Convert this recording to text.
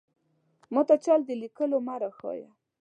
ماته چل د ليکلو مۀ راښايه!